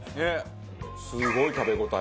すごい食べ応え。